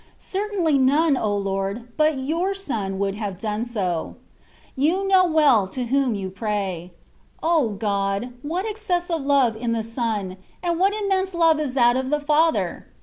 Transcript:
Certainly none, O Lord ! but your Son would have done so. You know well to whom you pray. O God ! what excessive love in the Son ! and what immense love is that of the Father